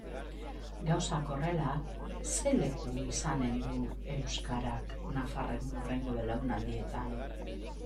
Gauzak horrela, zer leku izanen du euskarak nafarren hurrengo belaunaldietan?